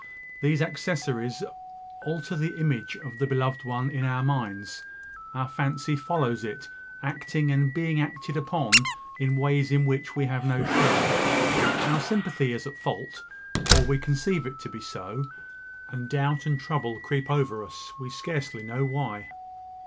These accessories alter the image of the beloved one in our minds; our fancy follows it, acting and being acted upon in ways in which we have no share. Our sympathy is at fault, or we conceive it to be so; and doubt and trouble creep over us, we scarcely know why.